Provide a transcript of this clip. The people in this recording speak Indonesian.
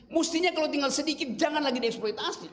mestinya kalau tinggal sedikit jangan lagi dieksploitasi